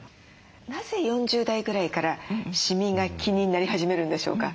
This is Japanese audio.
なぜ４０代ぐらいからシミが気になり始めるんでしょうか？